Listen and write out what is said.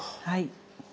はい。